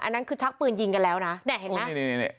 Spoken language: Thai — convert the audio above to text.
อันนั้นคือชักปืนยิงกันแล้วนะเนี่ยเห็นไหมโอ้นี่นี่นี่